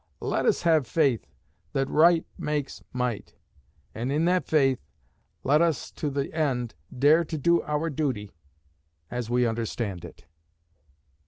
Let us have faith that right makes might; and in that faith, let us to the end dare to do our duty as we understand it.